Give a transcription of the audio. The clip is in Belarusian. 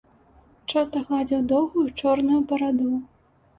Часта гладзіў доўгую чорную бараду.